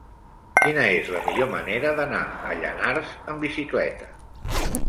Quina és la millor manera d'anar a Llanars amb bicicleta?